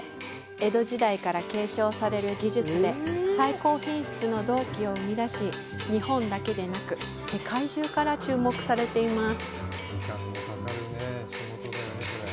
江戸時代から継承される技術で最高品質の銅器を生み出し、日本だけでなく世界中から注目されています。